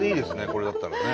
これだったらね。